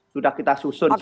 sudah kita susun